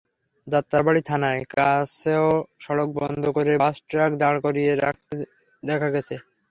যাত্রাবাড়ী থানার কাছেও সড়ক বন্ধ করে বাস-ট্রাক দাঁড় করিয়ে রাখতে দেখা গেছে।